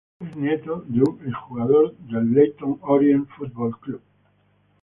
Es nieto de un ex jugador del Leyton Orient Football Club.